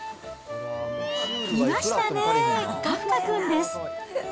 いましたね、カフカくんです。